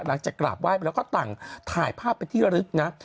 หลังจากกราบไหว้ไปแล้วก็ต่างถ่ายภาพไปที่ระลึกนะฮะ